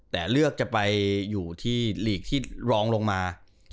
แต่เลือกจะไปอยู่ที่หลีกที่รองลงมา